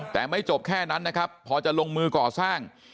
แต่ไม่จบแค่นั้นนะครับพอจะลงมือก่อสร้าง